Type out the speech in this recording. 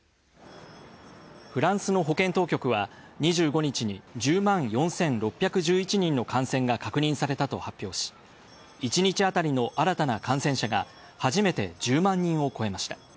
フランスの保健当局は、２５日に１０万４６１１人の感染が確認されたと発表し、１日あたりの新たな感染者が初めて１０万人を超えました。